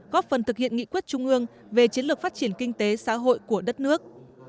góp phần thực hiện nghị quyết trung ương về chiến lược phát triển kinh tế xã hội của đất nước